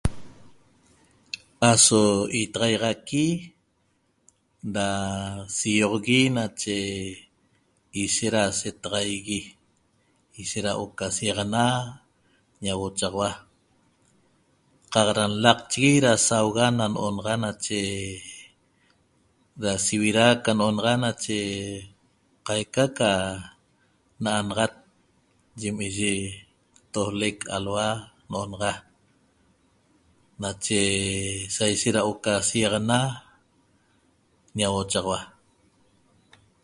Aso itaxahiaxaqui da ioxohie ishet da ahuoo' qa lacegue da iaxana na ioquiaxaneqpi jaq da lacchegue da ague na nenexa seishet da naxanaxat yimiyi toxleq eye alua' nenaxa nache seishet da huoo' ca iaxana ñahuochaxahua